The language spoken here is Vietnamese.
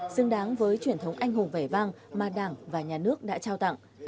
xứng đáng với truyền thống anh hùng vẻ vang mà đảng và nhà nước đã trao tặng